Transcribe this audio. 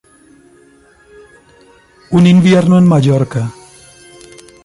Un invierno en Mallorca".